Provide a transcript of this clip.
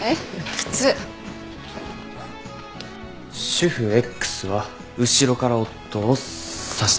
主婦Ｘは後ろから夫を刺した。